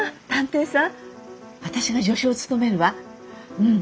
うん。